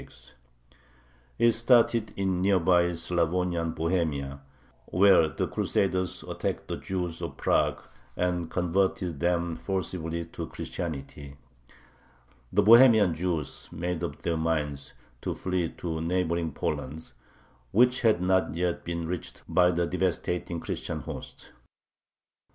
It started in near by Slavonian Bohemia, where the Crusaders attacked the Jews of Prague, and converted them forcibly to Christianity. The Bohemian Jews made up their minds to flee to neighboring Poland, which had not yet been reached by the devastating Christian hosts.